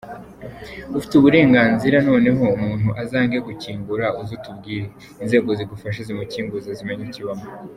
Ufite uburenganzira, noneho umuntu azange gukingura uze utubwire, inzego zigufashe zimukinguze zimenye ikibamo.